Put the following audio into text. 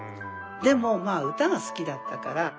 でもまあ歌は好きだったから。